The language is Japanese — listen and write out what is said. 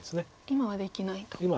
今はできない。